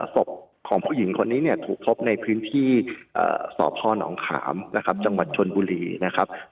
ศพของผู้หญิงคนนี้เนี่ยถูกพบในพื้นที่สพนขามนะครับจังหวัดชนบุรีนะครับ